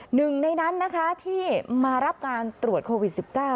หนึ่งในนั้นนะคะที่มารับการตรวจโควิด๑๙